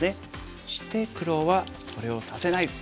そして黒はそれをさせない。